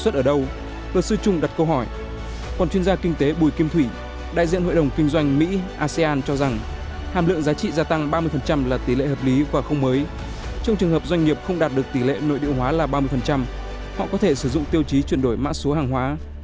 trong trường hợp doanh nghiệp không đạt được tỷ lệ nội địa hóa là ba mươi họ có thể sử dụng tiêu chí chuyển đổi mã số hàng hóa